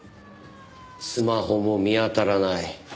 スマホも見当たらない。